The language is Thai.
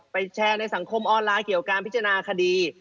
ไปแชร์ในสังคมอ้อนร้ายเกี่ยวการพิจารณาคดี